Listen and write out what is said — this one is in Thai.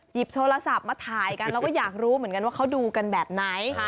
หยิบโทรศัพท์มาถ่ายกันเราก็อยากรู้เหมือนกันว่าเขาดูกันแบบไหน